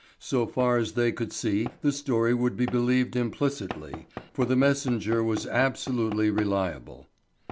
So far as they could see, the story would be believed implicitly, for The Messenger was absolutely reliable.